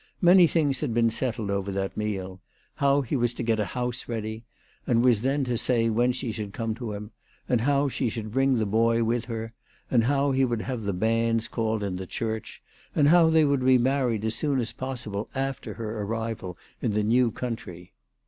Many things had been settled over that meal, how he was to get a house ready, and was then to say when she should come to him, and how she should bring the boy with her, and how he would have the banns called in the church, and how they would be married as soon as possible after her arrival in the new country.